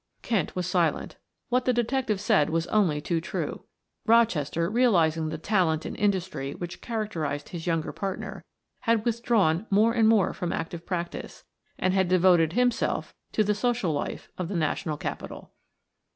Kent was silent. What the detective said was only too true. Rochester, realizing the talent and industry which characterized his younger partner, had withdrawn more and more from active practice, and had devoted himself to the social life of the National Capital.